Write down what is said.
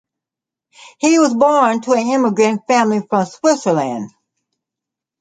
He was born to an immigrant family from Switzerland.